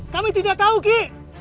kami tidak tahu ki